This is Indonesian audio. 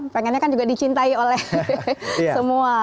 pengennya kan juga dicintai oleh semua